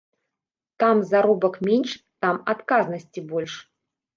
Там заробак менш, там адказнасці больш.